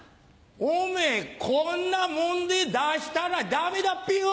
おめぇこんなもんで出したらダメだっぺよ！